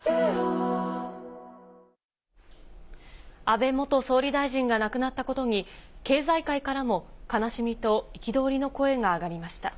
安倍元総理大臣が亡くなったことに、経済界からも悲しみと憤りの声が上がりました。